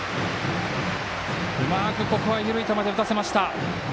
うまくここはゆるい球で打たせました。